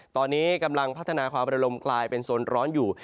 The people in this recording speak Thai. ตอนนี้กำลังพัฒนาความระลมกลายเป็นโซนร้อนอยู่